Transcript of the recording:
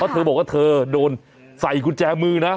เธอบอกว่าเธอต้องไขกุญแจมือนะ